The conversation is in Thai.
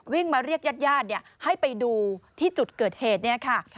วิ่งมาเรียกญาติแย่นให้ไปดูที่จุดเกิดเหตุนี้ค่ะ